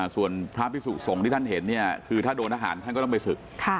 ส่วนพระพิสุสงฆ์ที่ท่านเห็นเนี่ยคือถ้าโดนทหารท่านก็ต้องไปศึก